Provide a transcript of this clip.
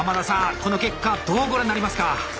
この結果どうご覧になりますか？